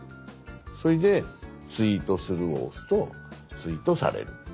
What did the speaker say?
それで「ツイートする」を押すとツイートされる。